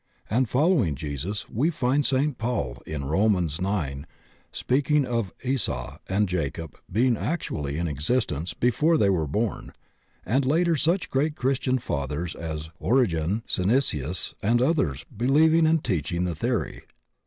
And follow ing Jesus we find St. Paul, in Romans ix, speaking of Esau and Jacob being actually in existence before they were born, and later such great Christian fathers as Origen, Synesius, and others believing and teach ing the theory.